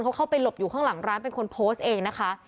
เขาเข้าไปหลบอยู่ข้างหลังร้านเป็นคนโพสต์เองนะคะ